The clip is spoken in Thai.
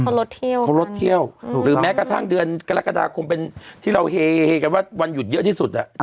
เขาลดเที่ยวเขาลดเที่ยวหรือแม้กระทั่งเดือนกรกฎาคมเป็นที่เราเฮกันว่าวันหยุดเยอะที่สุดอ่ะ